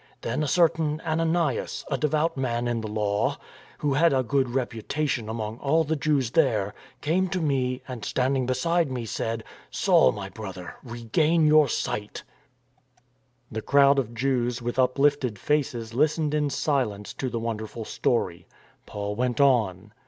Then a certain Ananias, a devout man in the Law, who had a good reputation among all the Jews there, came to me and standing beside me said, * Saul, my brother, regain your sight !'"" AWAY WITH HIM " 295 The crowd of Jews with upHfted faces listened in silence to the wonderful story. Paul went on.